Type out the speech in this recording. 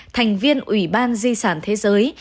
thành viên ủy ban di sản thế giới